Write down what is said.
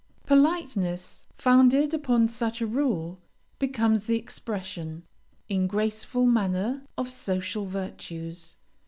Politeness, founded upon such a rule, becomes the expression, in graceful manner, of social virtues.